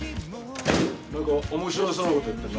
なんか面白そうな事やってんな。